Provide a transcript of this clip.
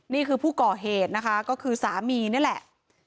นี่คือผู้ก่อเหตุนะคะก็คือสามีนี่แหละ